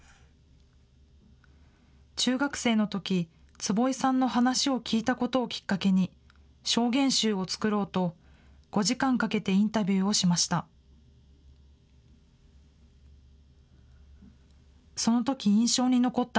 中学生のとき、坪井さんの話を聞いたことをきっかけに、証言集を作ろうと、５時間かけてインタビューをしました。